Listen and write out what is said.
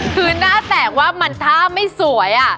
คือหน้าแตกว่ามันท่าไม่สวย